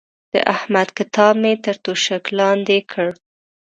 د احمد کتاب مې تر توشک لاندې کړ.